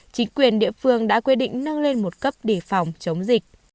chính quyền địa phương đã quyết định nâng lên một cấp để phòng chống dịch